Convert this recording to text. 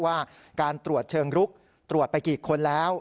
ว่าการตรวจเชิงลุกตรวจไปกี่คนแล้ว